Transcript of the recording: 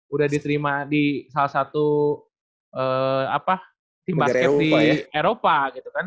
udah diterima di salah satu tim basket di eropa gitu kan